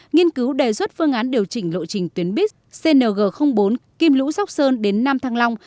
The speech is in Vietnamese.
nghiên cứu đề xuất phương án điều chỉnh lộ trình tuyến buýt cng bốn kim lũ sóc sơn đến nam thăng long